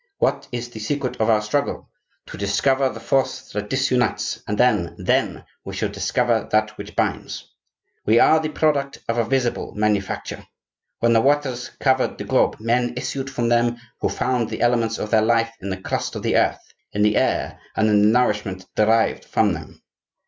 What is the secret of our struggle? To discover the force that disunites, and then, then we shall discover that which binds. We are the product of a visible manufacture. When the waters covered the globe men issued from them who found the elements of their life in the crust of the earth, in the air, and in the nourishment derived from them.